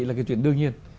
là cái chuyện đương nhiên